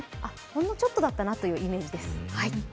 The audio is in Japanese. ほんのちょっとだなというイメージです。